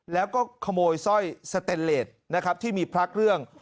แล้วก็ขโมยสร้อยสเตนเลสนะครับที่มีพระเครื่อง